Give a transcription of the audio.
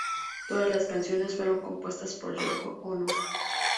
Todas las canciones fueron compuestas por Yoko Ono.